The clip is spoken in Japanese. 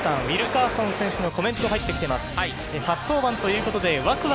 ウィルカーソン選手のコメントが入っています。